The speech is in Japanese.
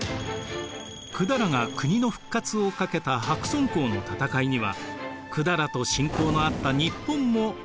百済が国の復活をかけた白村江の戦いには百済と親交のあった日本も援軍を送っていました。